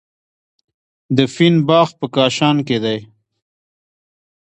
د فین باغ په کاشان کې دی.